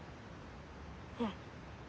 うん。